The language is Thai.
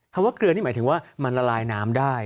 คำว่าเกลือนี่หมายถึงว่ามันละลายน้ำได้